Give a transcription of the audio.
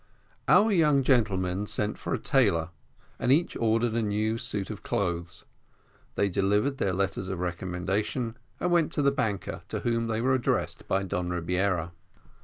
Our young gentlemen sent for a tailor and each ordered a new suit of clothes; they delivered their letters of recommendation, and went to the banker to whom they were addressed by Don Rebiera.